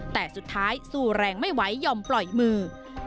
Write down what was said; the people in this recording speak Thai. แต่สุดท้ายสู้แรงไม่ไหวยอมปล่อยมือ